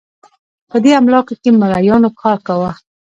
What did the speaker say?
په دې املاکو کې مریانو کار کاوه.